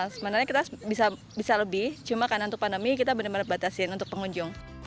sebenarnya kita bisa lebih cuma karena untuk pandemi kita benar benar batasin untuk pengunjung